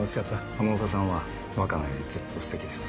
浜岡さんは若菜よりずっと素敵です。